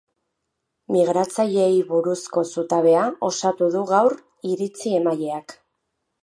Migratzaileei buruzko zutabea osatu du gaur iritzi-emaileak.